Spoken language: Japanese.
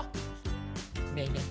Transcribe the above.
ねえねえ